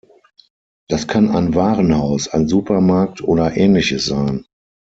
Das kann ein Warenhaus, ein Supermarkt oder Ähnliches sein.